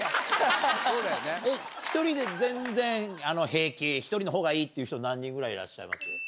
１人で全然平気１人のほうがいいっていう人何人ぐらいいらっしゃいます？